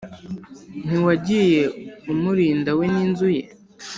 Ntiwagiye umurinda we n’inzu ye